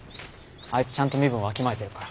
あいつちゃんと身分わきまえてるから。